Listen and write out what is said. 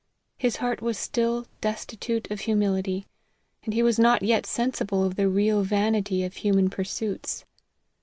His heart was still destitute of humility, wid he was not yet sensible of the real vanity of human pursuits.